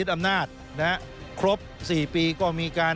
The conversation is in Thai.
ส่วนต่างกระโบนการ